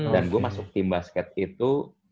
dan gue masuk tim basket itu